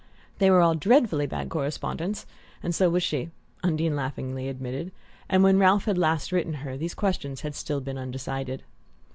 They were all dreadfully bad correspondents, and so was she. Undine laughingly admitted; and when Ralph had last written her these questions had still been undecided.